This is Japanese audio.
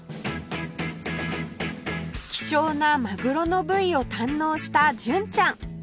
希少なまぐろの部位を堪能した純ちゃん